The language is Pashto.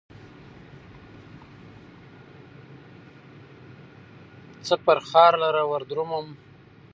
څه فرخار لره وردرومم